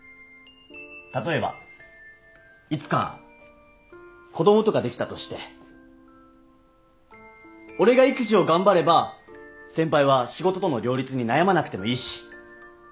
例えばいつか子供とかできたとして俺が育児を頑張れば先輩は仕事との両立に悩まなくてもいいし。